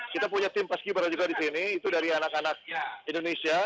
kita punya tim paski beraka juga di sini itu dari anak anak indonesia